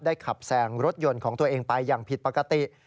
ขับแซงรถยนต์ของตัวเองไปอย่างผิดปกติ